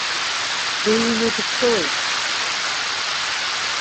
Дыҩны дцоит.